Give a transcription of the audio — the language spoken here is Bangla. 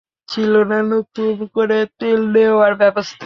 ছিল না নতুন করে তেল নেয়ার ব্যবস্থা।